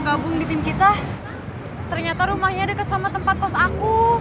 gabung di tim kita ternyata rumahnya dekat sama tempat kos aku